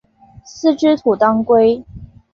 丛枝土当归